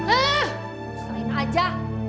eh nyusahin aja